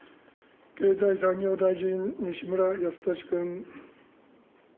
経済産業大臣、西村康稔君。